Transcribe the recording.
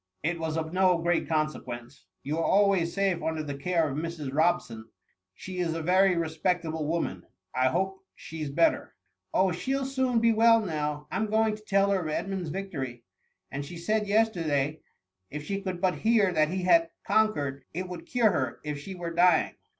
It was of no great consequence ; you are always safe under the care of Mrs. Robson : she is a very respects able woman — I hope she's better?*' " Oh, she '11 soon be well now, I *m going to tell her of Edmund's victory ; and she said yes terday, if she could but hear that he had con* quered, it would cure her, if she were dying.""